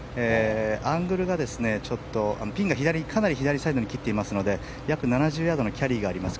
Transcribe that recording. アングルがちょっとピンがかなり左サイドに切っていますので約７０ヤードのキャリーがあります。